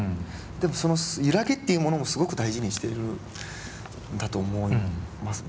でもその揺らぎっていうものもすごく大事にしてるんだと思います